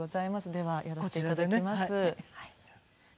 ではやらせて頂きます。